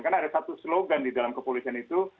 karena ada satu slogan di dalam kepolisian itu